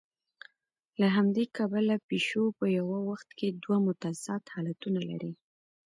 له همدې کبله پیشو په یوه وخت کې دوه متضاد حالتونه لري.